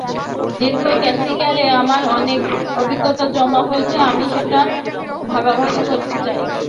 দীর্ঘ ক্যারিয়ারে আমার অনেক অভিজ্ঞতা জমা হয়েছে, আমি সেটা ভাগাভাগি করতে চাই।